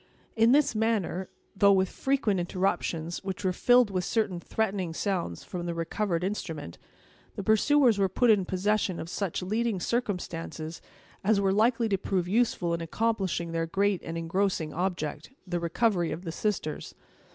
In this manner, though with frequent interruptions which were filled with certain threatening sounds from the recovered instrument, the pursuers were put in possession of such leading circumstances as were likely to prove useful in accomplishing their great and engrossing object—the recovery of the sisters.